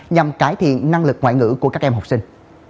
nhằm cải thiện năng lực ngoại ngữ của các em học sinh